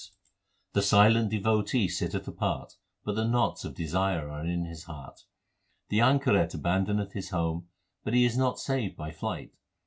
416 THE SIKH RELIGION The silent devotee sitteth apart, but the knots of desire are in his heart. The anchoret abandoneth his home, but he is not saved by flight.